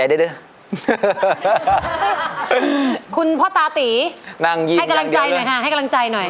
มีกี่ลิ้นเท่านั้นทำไม